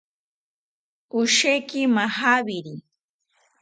Osheki majawiri